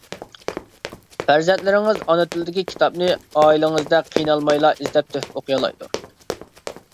پەرزەنتلىرىڭىز ئانا تىلدىكى كىتابنى ئائىلىڭىزدە قىينالمايلا ئىزدەپ تېپىپ ئوقۇيالايدۇ.